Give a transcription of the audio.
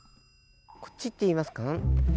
こっち行ってみますか。